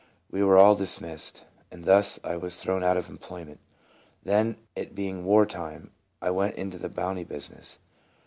We were all dismissed, and thus I was thrown out of employment. Then, it being war time, I went into the bounty business.